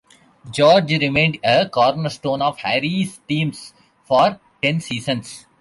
George remained a cornerstone of Harry's teams for ten seasons.